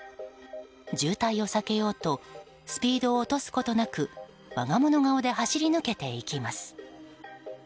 渋滞を避けようとスピードを落とすことなく我が物顔で走り抜けていきます。